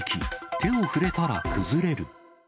手を触れたら崩れる。